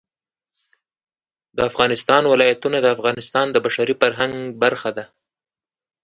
د افغانستان ولايتونه د افغانستان د بشري فرهنګ برخه ده.